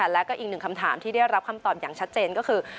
และอีกหนึ่งคำถามที่ได้รับคำตอบชัดเจนก็คือ